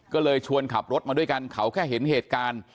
ก็เลยชวนขับรถมาด้วยกันเขาแค่เห็นเหตุการณ์